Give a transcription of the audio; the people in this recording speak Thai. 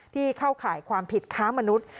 เข้าข่ายความผิดค้ามนุษย์